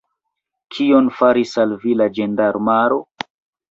Kion faris al vi la ĝendarmaro?